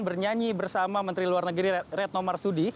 bernyanyi bersama menteri luar negeri retno marsudi